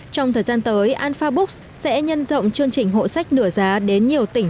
trong thời gian tới alfa books sẽ nhân rộng chương trình hội sách nửa giá đến nhiều tỉnh